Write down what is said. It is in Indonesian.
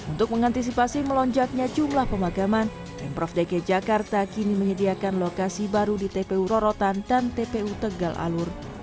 untuk mengantisipasi melonjaknya jumlah pemakaman pemprov dki jakarta kini menyediakan lokasi baru di tpu rorotan dan tpu tegal alur